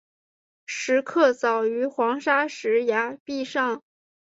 石刻凿于黄砂石崖壁上。